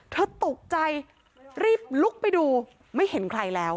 เธอตกใจรีบลุกไปดูไม่เห็นใครแล้ว